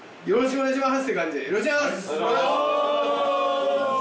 お願いします！